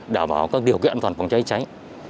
đảm bảo các điều kiện an toàn phòng cháy cháy